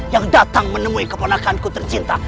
yang datang menemui keponakanku tercinta